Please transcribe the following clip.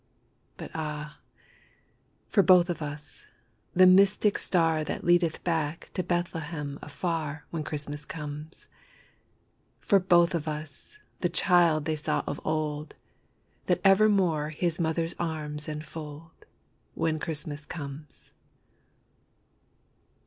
But ah, for both of us the mystic star That leadeth back to Bethlehem afar, When Christmas comes. For both of us the child they saw of old, That evermore his mother's arms enfold, When Christmas comes.